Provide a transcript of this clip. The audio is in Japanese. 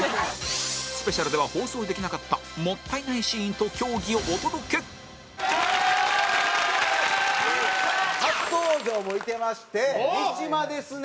スペシャルでは放送できなかったもったいないシーンと競技をお届け初登場もいてまして三島ですね。